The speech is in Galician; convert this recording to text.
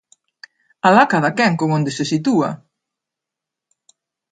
¡Alá cadaquén con onde se sitúa!